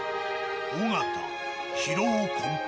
尾形疲労困憊。